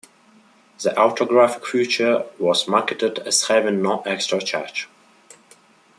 The autographic feature was marketed as having no extra charge.